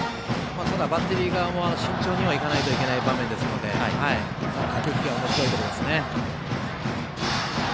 ただ、バッテリー側も慎重に行かないといけない場面ですのでその駆け引きがおもしろいところですね。